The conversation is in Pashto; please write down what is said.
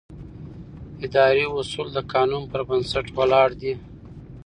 اداري اصول د قانون پر بنسټ ولاړ دي.